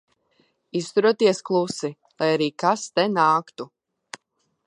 Izturaties klusi, lai arī kas te nāktu.